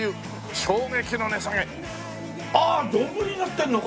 衝撃の値下げ！」ああ丼になってるのか！